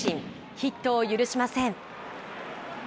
ヒットを許しません。